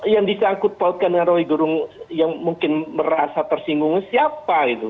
yang disangkut pautkan oleh rocky gerung yang mungkin merasa tersinggung siapa itu